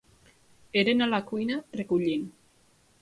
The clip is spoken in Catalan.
Eren a la cuina, recollint.